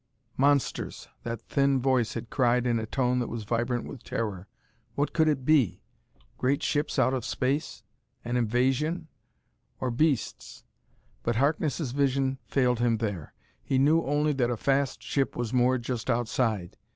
"Monsters!" that thin voice had cried in a tone that was vibrant with terror. What could it be? great ships out of space? an invasion? Or beasts?... But Harkness' vision failed him there. He knew only that a fast ship was moored just outside.